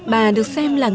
bà được xem là người đàn ông